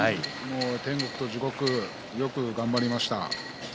天国と地獄、よく頑張りました。